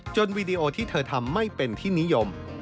วีดีโอที่เธอทำไม่เป็นที่นิยม